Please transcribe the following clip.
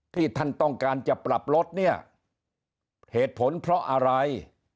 ที่ท่านต้องการจะปรับลดเนี่ยเหตุผลเพราะอะไร